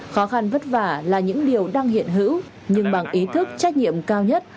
khó khăn vất vả là những điều đang hiện hữu nhưng bằng ý thức trách nhiệm cao nhất